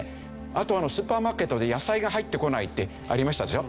あとスーパーマーケットで野菜が入ってこないってありましたでしょ。